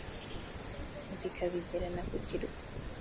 Zikabigerana ku kirwa,